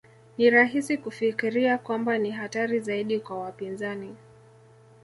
Ni rahisi kufikiria kwamba ni hatari zaidi kwa wapinzani